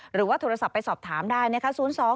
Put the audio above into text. หรือว่าโทรศัพท์ไปสอบถามได้นะคะ๐๒๗๖๑๙๙๙๙๙